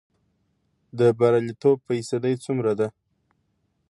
د بریالیتوب فیصدی څومره ده؟